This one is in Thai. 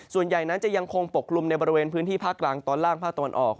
ส่วนใหญ่นั้นจะยังคงปกคลุมในบริเวณพื้นที่ภาคกลางตอนล่างภาคตะวันออก